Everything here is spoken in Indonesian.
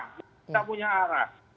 kita punya arah